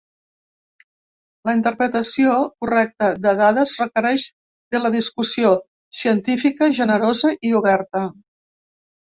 La interpretació correcta de dades requereix de la discussió científica generosa i oberta.